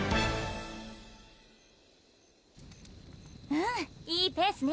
うんいいペースね